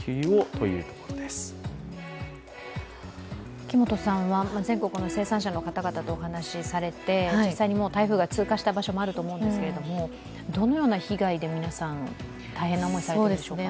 秋元さんは全国の生産者の方ともお話しされて、実際に台風が通過した場所もあると思うんですがどのような被害で皆さん、大変な思いされているんでしょうか？